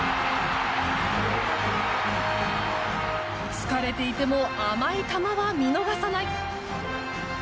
疲れていても甘い球は見逃さない！